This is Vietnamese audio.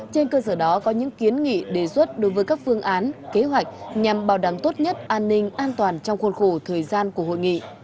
trên cơ sở đó có những kiến nghị đề xuất đối với các phương án kế hoạch nhằm bảo đảm tốt nhất an ninh an toàn trong khuôn khổ thời gian của hội nghị